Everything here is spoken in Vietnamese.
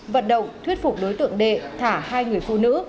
vận động thuyết phục đối tượng đệ thả hai người phụ nữ